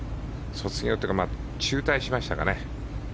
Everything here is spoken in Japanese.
卒業というか中退しましたかね。